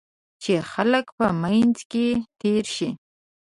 چې خلک په منځ کې تېر شي.